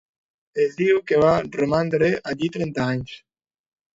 Es diu que va romandre allí trenta anys.